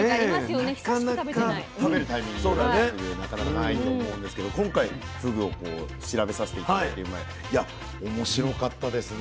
なかなか食べるタイミングふぐなかなかないと思うんですけど今回ふぐを調べさせて頂いていや面白かったですね。